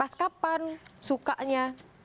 pas kapan sukanya